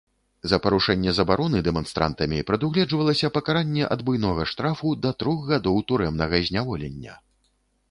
За парушэнне забароны дэманстрантамі прадугледжвалася пакаранне ад буйнога штрафу да трох гадоў турэмнага зняволення.